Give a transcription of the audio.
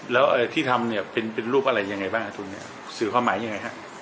แล้วที่ทำเป็นรูปอะไรล่ะอาทุ่นนี้สื่อความหมายล่ะอ่า